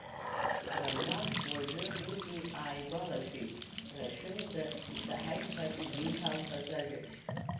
Разан уажәы уигьы ааигәалашәеит, Рашәында исаҳаит ҳәа изеиҭалҳәаз ажәабжь.